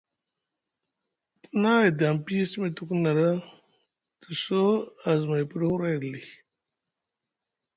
Te na edi aŋ piyi simi tuku na te soo azumay piɗi huray ɗa lii.